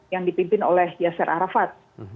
yang dipimpin oleh jaser arafat